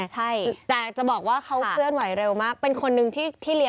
เอิ้นมบนน่าตามันเป็นอย่างนี้